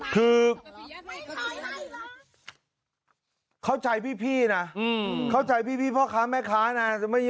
คือเข้าใจพี่นะเพราะพ่อค้าแม่ค้าน่ะ